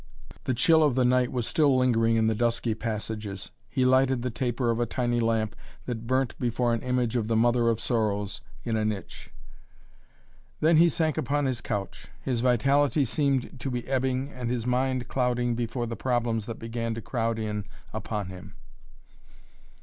The chill of the night was still lingering in the dusky passages. He lighted the taper of a tiny lamp that burnt before an image of the Mother of Sorrows in a niche. Then he sank upon his couch. His vitality seemed to be ebbing and his mind clouding before the problems that began to crowd in upon him.